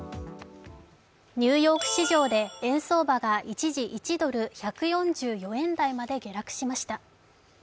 ニューヨーク市場で円相場が一時１ドル＝１４４円台まで下落しました。